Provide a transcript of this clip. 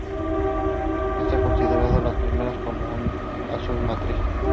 Estas consideraban a las primeras como a sus matrices.